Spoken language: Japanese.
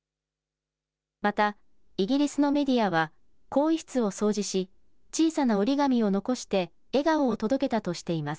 また、イギリスのメディアは、更衣室を掃除し、小さな折り紙を残して笑顔を届けたとしています。